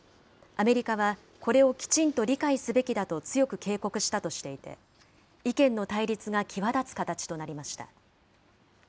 アメリカはこれをきちんと理解すべきだと強く警告したとしていて、意見の対立が際立つ形となりました。